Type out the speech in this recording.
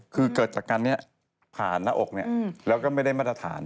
คือเกิดจากการนี้ผ่านหน้าอกแล้วก็ไม่ได้มาตรฐาน